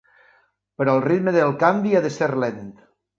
Però el ritme del canvi ha de ser lent.